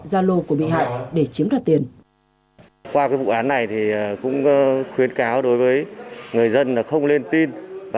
ra lô của bị hại để chiếm đoạt tiền